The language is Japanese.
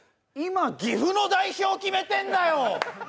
今、岐阜の代表を決めてんだよ。